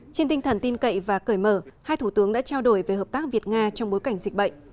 trên tinh thần tin cậy và cởi mở hai thủ tướng đã trao đổi về hợp tác việt nga trong bối cảnh dịch bệnh